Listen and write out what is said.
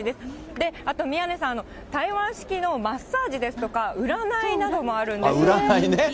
で、あと宮根さん、台湾式のマッサージですとか、占いなどもある占いね。